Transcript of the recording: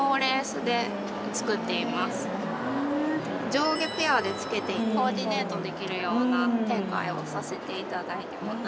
上下ペアで着けてコーディネートできるような展開をさせていただいています。